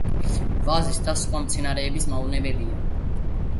ვაზის და სხვა მცენარეების მავნებელია.